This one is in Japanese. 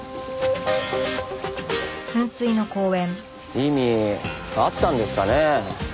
意味あったんですかね？